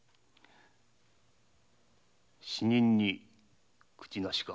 「死人に口無し」か？